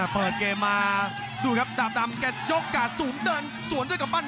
เปิดเกมมาดูครับดาบดำแกยกกาดสูงเดินสวนด้วยกำปั้น